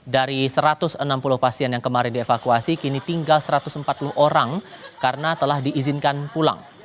dari satu ratus enam puluh pasien yang kemarin dievakuasi kini tinggal satu ratus empat puluh orang karena telah diizinkan pulang